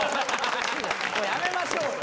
もうやめましょうよ。